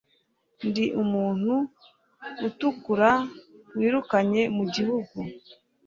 ndi umuntu utukura wirukanye mu gihugu